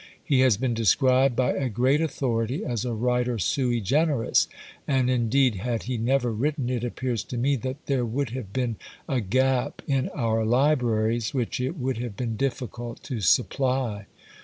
He has been described by a great authority as a writer sui generis; and indeed had he never written, it appears to me, that there would have been a gap in our libraries, which it would have been difficult to supply.